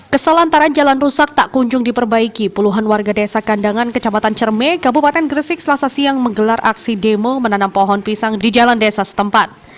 kesal antaran jalan rusak tak kunjung diperbaiki puluhan warga desa kandangan kecamatan cerme kabupaten gresik selasa siang menggelar aksi demo menanam pohon pisang di jalan desa setempat